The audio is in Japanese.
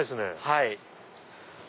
はい。